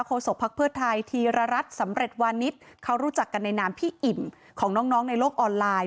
ศกภักดิ์เพื่อไทยธีรรัฐสำเร็จวานิสเขารู้จักกันในนามพี่อิ่มของน้องในโลกออนไลน์